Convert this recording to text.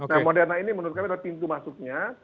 nah moderna ini menurut kami adalah pintu masuknya